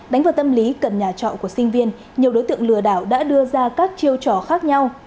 đánh vào tâm lý cần nhà trọ của sinh viên nhiều đối tượng lừa đảo đã đưa ra các chiêu trò khác nhau